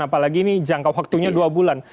apalagi ini jangka waktunya dua bulan